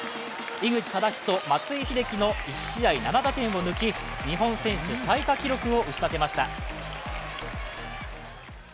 井口資仁、松井秀喜の１試合７打点を抜き日本選手最多記録を打ち立てました。